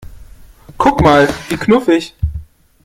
Guck mal, wie knuffig!